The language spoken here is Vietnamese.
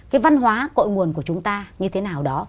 cái văn hóa cội nguồn của chúng ta như thế nào đó